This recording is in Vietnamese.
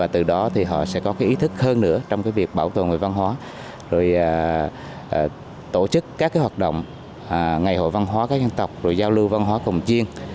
tổ chức các hoạt động ngày hội văn hóa các dân tộc rồi giao lưu văn hóa cổng chiêng